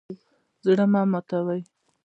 زړه مه ماتوئ